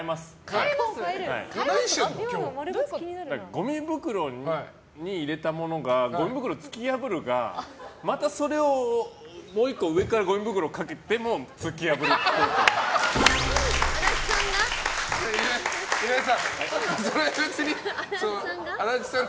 ごみ袋に入れたものがごみ袋を突き破るがまたそれを、もう１個上からごみ袋をかけても足立さんが？